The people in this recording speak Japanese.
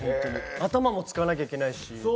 頭も使わなきゃいけないし。